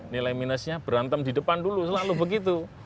nilai minusnya berantem di depan dulu selalu begitu